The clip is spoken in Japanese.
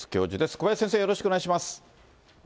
小林先生、よろしくお願いします。